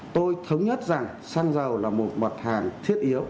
tôi thống nhất rằng xăng dầu là một mặt hàng thiết yếu